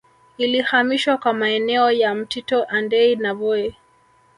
Ilihamishwa kwa maeneo ya Mtito Andei na Voi